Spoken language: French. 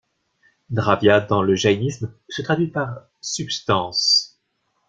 Dravya dans le jaïnisme se traduit par: substance.